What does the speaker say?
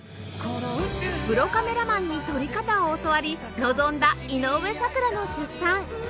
プロカメラマンに撮り方を教わり臨んだ井上咲楽の出産